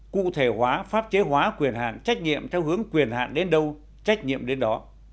cụ thể hóa pháp chế hóa quyền hạn trách nhiệm theo hướng quyền hạn đến đâu trách nhiệm đến đó